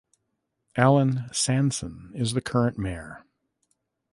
Allan Sanson is the current mayor.